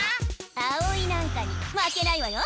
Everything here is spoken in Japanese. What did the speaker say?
あおいなんかにまけないわよ！